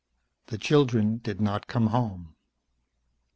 The children did not come home.